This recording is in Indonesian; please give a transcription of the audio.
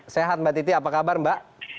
sehat mbak titi apa kabar mbak